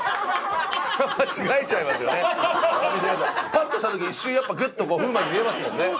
パッとしたとき一瞬やっぱぐっと風磨に見えますもんね。